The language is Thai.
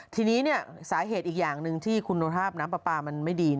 ทีนี้สาเหตุอีกอย่างหนึ่งที่คุณภาพน้ำปลาปลามันไม่ดี